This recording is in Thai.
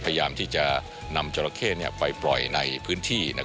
พยายามที่จะนำจราเข้ไปปล่อยในพื้นที่